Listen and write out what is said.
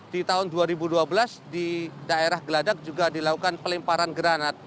di tahun dua ribu dua belas di daerah geladak juga dilakukan pelemparan granat